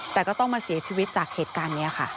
แต่ก็ต้องมาเสียชีวิตจากเหตุการณ์นี้ค่ะ